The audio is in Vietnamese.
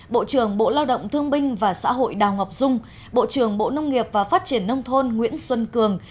bộ trưởng bộ lao động thương binh và xã hội đào ngọc dung bộ trưởng bộ nông nghiệp và phát triển nông thôn nguyễn xuân cường